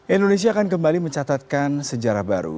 indonesia akan kembali mencatatkan sejarah baru